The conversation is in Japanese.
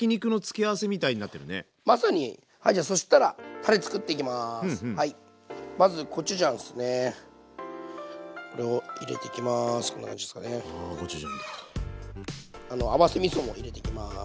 合わせみそも入れていきます。